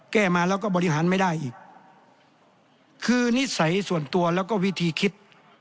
แก้มาแล้วก็บริหารไม่ได้อีกคือนิสัยส่วนตัวแล้วก็วิธีคิด